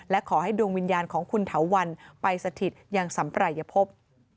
และขอให้ดวงวิญญาณของคุณเถาวันไปสถิตยังสำปรายภพ